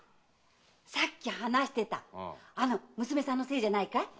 さっき話してたあの娘さんのせいじゃないかい？